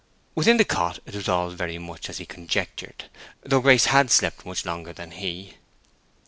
Within the cot it was all very much as he conjectured, though Grace had slept much longer than he.